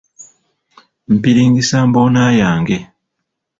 Mpiringisa mboona yange.